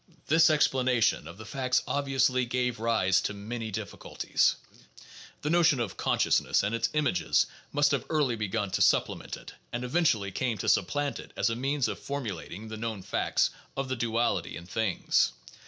This explanation of the facts obviously gave rise to many difficulties ; the notion of consciousness and its "images" must have early begun to supplement it and eventually came to supplant it as a means of formulating the known fact of the duality in things.